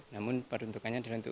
namun peruntukannya adalah untuk